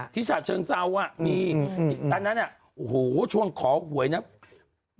ที่ชาติเชิงเศร้าอ่ะที่เมืองนั้นโอยช่วงข้อห่วยเนี่ย